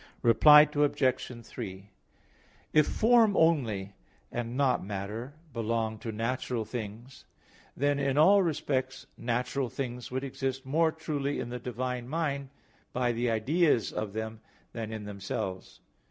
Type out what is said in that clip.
Reply Obj. 3: If form only, and not matter, belonged to natural things, then in all respects natural things would exist more truly in the divine mind, by the ideas of them, than in themselves.